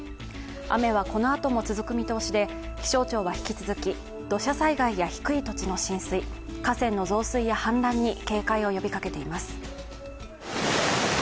雨はこのあとも続く見通しで気象庁は引き続き土砂災害や低い土地の浸水、河川の増水や氾濫に警戒を呼びかけています。